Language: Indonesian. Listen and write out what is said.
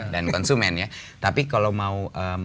dan konsumen tapi kalau mau